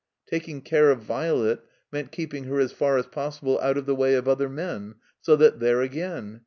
Taking care of Violet meant keeping her as far as possible out of the way of other men — so that there again!